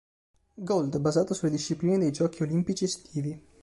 Gold, basato sulle discipline dei giochi olimpici estivi.